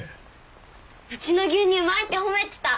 うちの牛乳うまいって褒めてた。